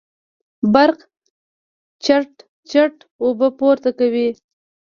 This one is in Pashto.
برق چړت چړت اوبه پورته کوي.